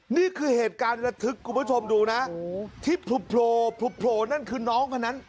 นี่คือเหตุการณ์ระทึกคุณผู้ชมดูนะที่โผล่นั่นคือน้องคนนั้น